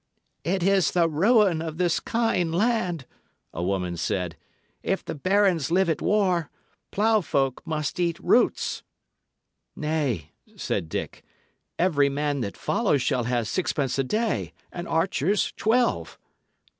"It is the ruin of this kind land," a woman said. "If the barons live at war, ploughfolk must eat roots." "Nay," said Dick, "every man that follows shall have sixpence a day, and archers twelve."